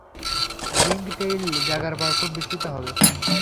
Ringtail জাগার পর খুব বিস্মিত হবে।